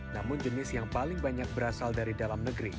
namun jenis yang paling banyak berasal dari dalam negeri